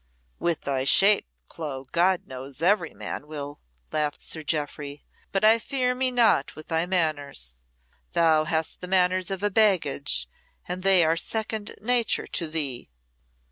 "With thy shape, Clo, God knows every man will," laughed Sir Jeoffry, "but I fear me not with thy manners. Thou hast the manners of a baggage, and they are second nature to thee."